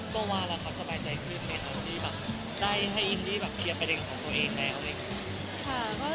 เมื่อวานแล้วค่ะสบายใจขึ้นในที่ได้ให้อินทรีย์เคลียร์ประเด็นของตัวเองแล้วอะไรอย่างนี้